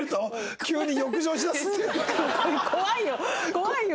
怖いよ